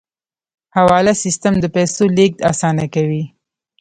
حواله سیستم د پیسو لیږد اسانه کوي